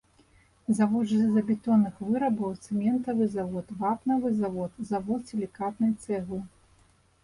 Завод жалезабетонных вырабаў, цэментавы завод, вапнавы завод, завод сілікатнай цэглы.